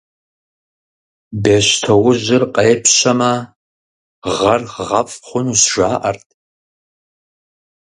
Бещтоужьыр къепщэмэ, гъэр гъэфӀ хъунущ, жаӀэрт.